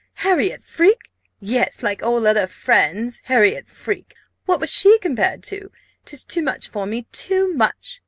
Harriot Freke! Yes, like all other friends Harriot Freke! What was she compared to? 'Tis too much for me too much!"